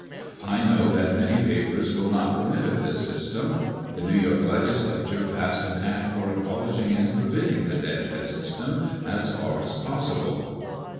I know that, many papers will not permit of this system. The New York Legislature passed an Act for abolishing and forbidding the " dead head" system, as far as possible.